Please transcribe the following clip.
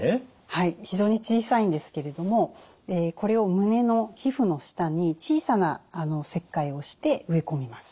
はい非常に小さいんですけれどもこれを胸の皮膚の下に小さな切開をして植え込みます。